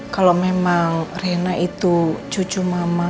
kalau memang rena itu cucu mama